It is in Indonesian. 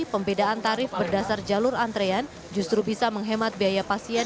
pembedaan tarif berdasar jalur antrean justru bisa menghemat biaya pasien